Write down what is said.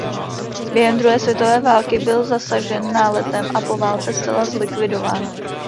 Během druhé světové války byl zasažen náletem a po válce zcela zlikvidován.